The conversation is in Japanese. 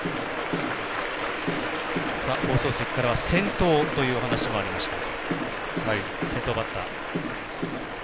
放送席からは先頭というお話もありました。